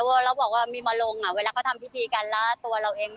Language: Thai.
แล้วบอกว่ามีมาลงอ่ะเวลาเขาทำพิธีกันแล้วตัวเราเอง